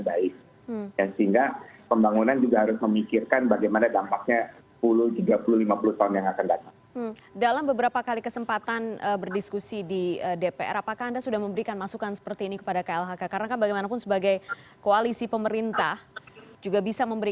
bahkan kadang kadang yang koalisi lebih tajam daripada yang tidak koalisi